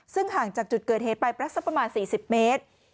ซึ่งห่างจากจุดเกิดเหตุไปสักประมาณ๔๐เมตร